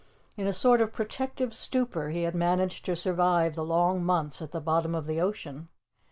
In a sort of protective stupor he had managed to survive the long months at the bottom of the ocean.